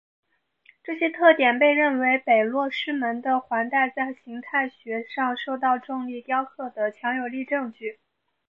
这些特点被认为是北落师门的环带在形态学上受到重力雕刻的强有力证据。